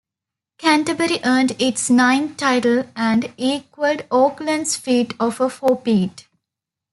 Canterbury earned it's ninth title and equalled Auckland's feat of a fourpeat.